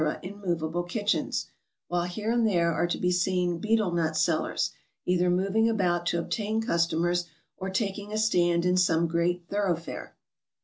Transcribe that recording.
in movable kitchens ; while here and there are to be seen betel nut sellers, either moving about to obtain customers, or taking a stand in some great thor oughfare.